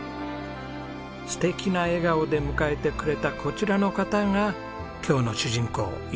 素敵な笑顔で迎えてくれたこちらの方が今日の主人公石井和枝さん